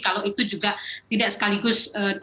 kalau itu juga tidak sekaligus